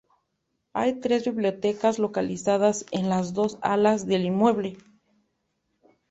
Hay tres bibliotecas localizadas en las dos alas del inmueble.